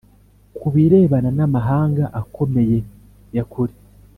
ku birebana n’amahanga akomeye ya kure